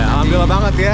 alhamdulillah banget ya